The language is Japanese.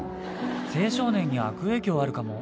青少年に悪影響あるかも。